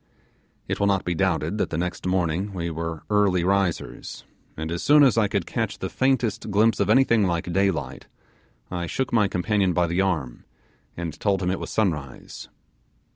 It will not be doubted that the next morning we were early risers, and as soon as I could catch the faintest glimpse of anything like daylight I shook my companion by the arm, and told him it was sunrise.